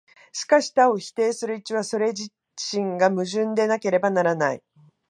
しかし多を否定する一は、それ自身が矛盾でなければならない。